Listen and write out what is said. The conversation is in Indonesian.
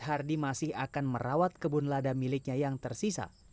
hardi masih akan merawat kebun lada miliknya yang tersisa